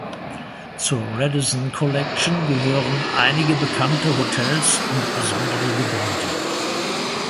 Zu Radisson Collection gehören einige bekannte Hotels und besondere Gebäude.